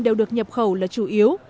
đều được nhập khẩu là chủ yếu